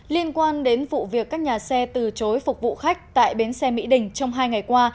liên quan đến vụ việc các nhà xe từ chối phục vụ khách tại bến xe mỹ đình trong hai ngày qua